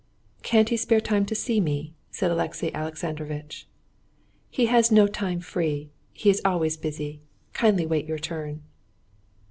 "Can't he spare time to see me?" said Alexey Alexandrovitch. "He has no time free; he is always busy. Kindly wait your turn."